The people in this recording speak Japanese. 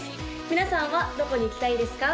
皆さんはどこに行きたいですか？